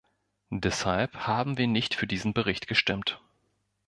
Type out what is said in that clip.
Deshalb haben wir nicht für diesen Bericht gestimmt.